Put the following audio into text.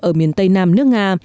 ở miền tây nam nước nga